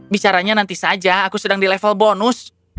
bicaranya nanti saja aku sedang di level bonus